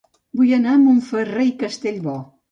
Vull anar a Montferrer i Castellbò